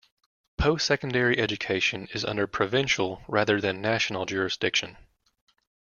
Post-secondary education is under provincial, rather than national, jurisdiction.